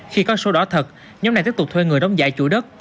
khi có sổ đỏ thật nhóm này tiếp tục thuê người đóng giải chủ đất